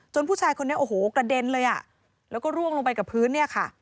จนผู้ชายคนนี้กระเด็นเลยแล้วก็ร่วงลงไปกับพื้น